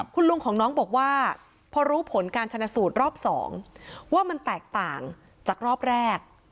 คุณลุงของน้องบอกว่าพอรู้ผลการชนะสูตรรอบ๒ว่ามันแตกต่างจากรอบแรก